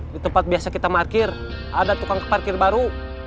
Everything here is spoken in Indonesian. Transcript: di tempat biasa kita parkir ada tukang parkir baru